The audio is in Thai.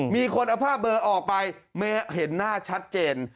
มีคนเอาภาพเบอร์ออกไปเห็นหน้าชัดเจน